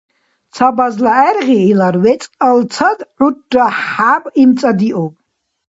Ца базла гӏергъи илар вецӏалцад гӏурра хӏяб имцӏадиуб.